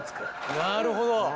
なるほど！